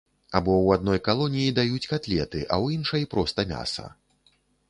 Або ў адной калоніі даюць катлеты, а ў іншай проста мяса.